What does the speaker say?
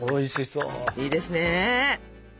いいですね。